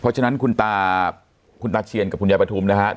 เพราะฉะนั้นคุณตาเชียรกับคุณยายประทุมนะฮะ